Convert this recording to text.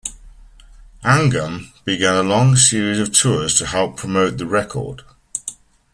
Angham began a long series of tours to help promote the record.